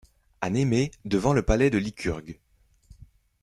À Némée, devant le palais de Lycurgue.